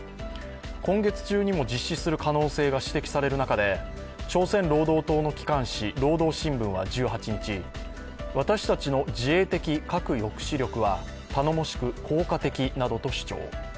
今月中にも実施する可能性が指摘される中で朝鮮労働党の機関紙「労働新聞」は１８日私たちの自衛的核抑止力は頼もしく効果的などと主張。